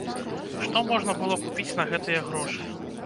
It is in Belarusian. Што можна было купіць на гэтыя грошы?